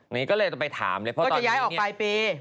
นี่ก็เลยต้องไปถามเลยเพราะว่าตอนนี้เนี่ยก็จะย้ายออกปลายปี